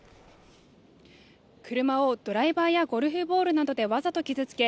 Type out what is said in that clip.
車をドライバーやゴルフボールなどでわざと傷つけ